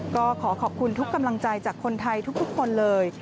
ก็ขอขอบคุณทุกกำลังใจจากคนไทยทุกคนเลย